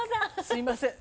すいません。